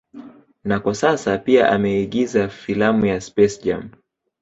Na kwa sasa pia ameigiza filamu ya SpaceJam